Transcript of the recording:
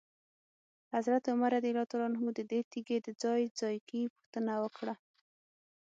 حضرت عمر رضی الله عنه ورنه ددې تیږي د ځای ځایګي پوښتنه وکړه.